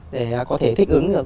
để có thể thích ứng được